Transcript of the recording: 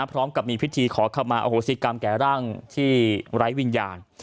พร้อมกับมีพิธีขอขมาอโหสิกรรมแก่ร่างที่ไร้วิญญาณ